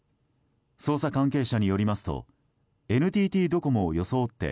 捜査関係者によりますとＮＴＴドコモを装って